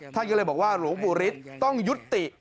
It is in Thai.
ท่านก็เลยบอกว่าหลวงปู่ฤทธิ์ต้องยุติ